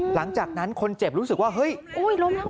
หลังจากนั้นคนเจ็บรู้สึกว่าเฮ้ยล้มแล้ว